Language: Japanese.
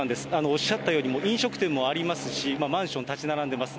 おっしゃったように、飲食店もありますし、マンション建ち並んでます。